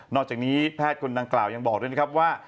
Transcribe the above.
อกจากนี้แพทย์คนดังกล่าวยังบอกด้วยนะครับว่า